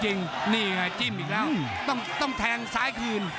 นี่ไงจิ้มอีกแล้วต้องแทงซ้ายคืน